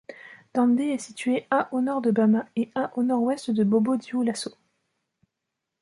Dandé est située à au nord de Bama et à au nord-ouest de Bobo-Dioulasso.